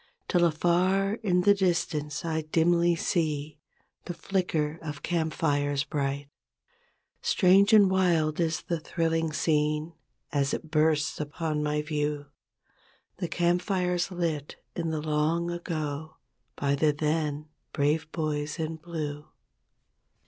Till afar in the distance I dimly see The flicker of camp fires bright. Strange and wild is the thrilling scene As it bursts upon my view— The camp fires lit in the long ago By the then "Brave Boys in Blue".